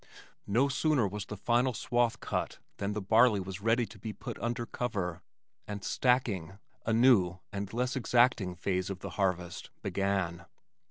No sooner was the final swath cut than the barley was ready to be put under cover, and "stacking," a new and less exacting phase of the harvest, began.